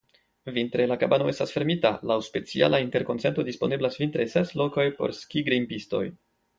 Vintre la kabano estas fermita; laŭ speciala interkonsento disponeblas vintre ses lokoj por skigrimpistoj.